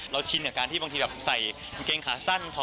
เราชินกับการที่บางทีใส่เกงขาสั้น